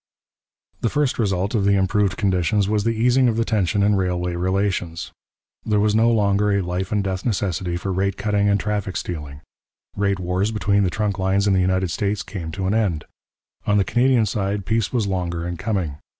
The first result of the improved conditions was the easing of the tension in railway relations. There was no longer a life and death necessity for rate cutting and traffic stealing. Rate wars between the trunk lines in the United States came to an end. On the Canadian side peace was longer in coming.